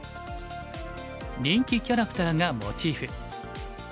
人気キャラクターがモチーフ。